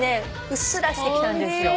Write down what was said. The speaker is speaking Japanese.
うっすらしてきたんですよ。